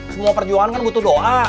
semua perjuangan kan butuh doa